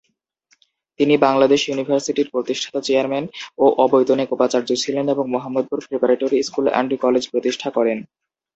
তিনি বাংলাদেশ ইউনিভার্সিটির প্রতিষ্ঠাতা চেয়ারম্যান ও অবৈতনিক উপাচার্য ছিলেন এবং Mohammadpur preparatory school and college প্রতিষ্ঠা করেন।